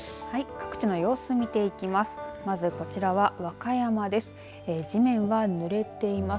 各地の様子を見ていきます。